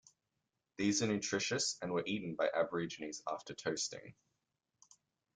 These are nutritious and were eaten by Aborigines after toasting.